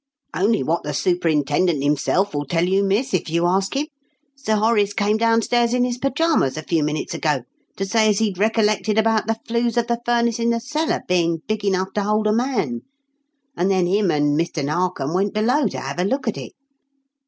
"Only what the superintendent himself will tell you, miss, if you ask him. Sir Horace came downstairs in his pyjamas a few minutes ago to say as he'd recollected about the flues of the furnace in the cellar being big enough to hold a man, and then him and Mr. Narkom went below to have a look at it."